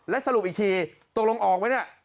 และสรุปอีกทีตกลงออกไหมเนี่ย